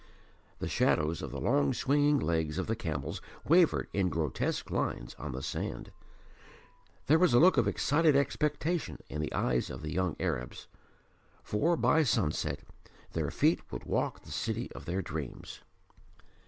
The shadows of the long swinging legs of the camels wavered in grotesque lines on the sand. There was a look of excited expectation in the eyes of the young Arabs; for, by sunset, their feet would walk the city of their dreams.